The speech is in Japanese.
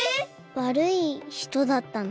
わるいひとだったの？